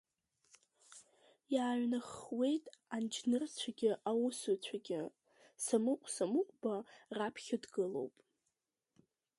Иааҩнаххуеит анџьнырцәагьы аусуцәагьы, Самыҟә Самыҟәба раԥхьа дгылоуп.